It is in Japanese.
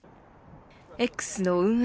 Ｘの運営